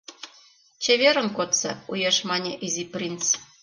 — Чеверын кодса, — уэш мане Изи принц.